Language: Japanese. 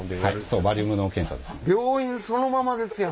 そうバリウムの検査ですね。